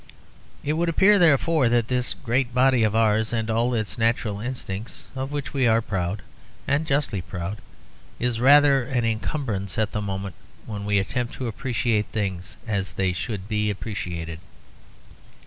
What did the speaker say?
It would appear, therefore, that this great body of ours and all its natural instincts, of which we are proud, and justly proud, is rather an encumbrance at the moment when we attempt to appreciate things as they should be appreciated.